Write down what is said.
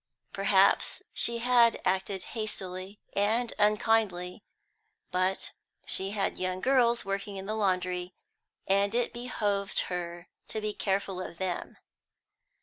Perhaps she had acted hastily and unkindly, but she had young girls working in the laundry, and it behoved her to be careful of them.